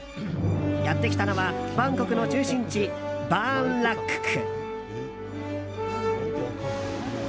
やってきたのはバンコクの中心地バーンラック区。